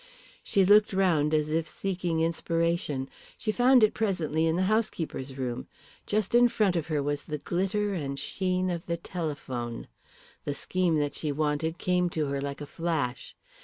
She looked round as if seeking inspiration. She found it presently in the housekeeper's room. Just in front of her was the glitter and sheen of the telephone. The scheme that she wanted came to her like a flash.